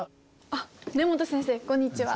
あっ根元先生こんにちは。